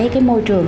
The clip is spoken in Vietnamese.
cái môi trường